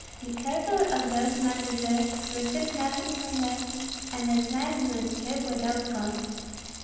Be careful of those managers, receive nothing from them, and at night do not sleep without guards.